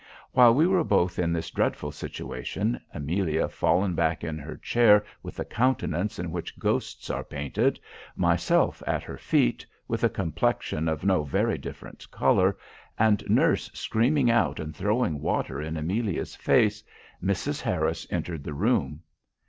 "While we were both in this dreadful situation, Amelia fallen back in her chair with the countenance in which ghosts are painted, myself at her feet, with a complexion of no very different colour, and nurse screaming out and throwing water in Amelia's face, Mrs. Harris entered the room.